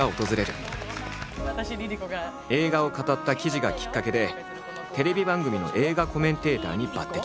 映画を語った記事がきっかけでテレビ番組の映画コメンテーターに抜てき。